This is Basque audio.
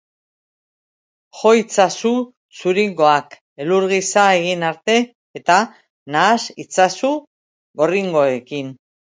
Jo itzazu zuringoak elur gisa egin arte eta nahas itzazu gorringoekin.